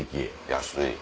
安い。